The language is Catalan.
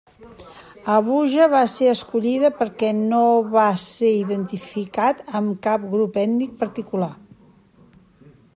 Abuja va ser escollida perquè no va ser identificat amb cap grup ètnic particular.